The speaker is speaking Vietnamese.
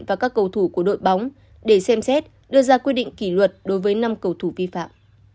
và các cầu thủ của đội bóng để xem xét đưa ra quy định kỷ luật đối với năm cầu thủ vi phạm